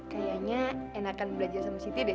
kayaknya enakan belajar sama siti deh